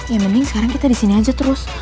ya mending sekarang kita disini aja terus